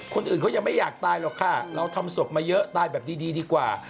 คนอื่นเขายังไม่อยากตายหรอกค่ะเราทำศพมาเยอะตายแบบดีดีกว่า